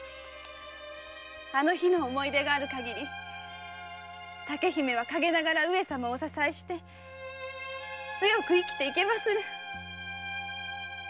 あの日の思い出があるかぎり竹姫は陰ながら上様をお支えし強く生きていけまする。